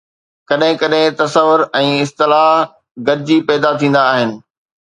ڪڏهن ڪڏهن تصور ۽ اصطلاح گڏجي پيدا ٿيندا آهن.